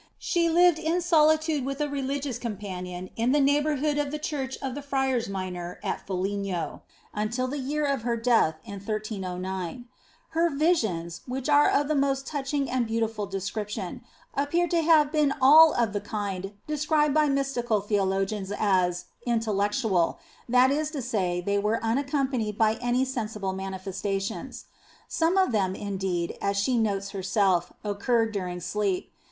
She lived in solitude with a religious companion in the neighbourhood of the Church of the Friars Minor at Foligno, until the year of her death in 1 309. Her " Visions," which are of the most touching and beautiful description, appear to have been all of the kind described by mystical theologians as " intel lectual," that is to say they were unaccompanied by any sensible manifestations. Some of them, indeed, as she notes herself, occurred during sleep.